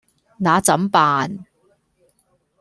那怎辦